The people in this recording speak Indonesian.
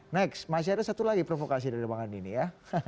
next masih ada satu lagi provokasi dari bang andi ini ya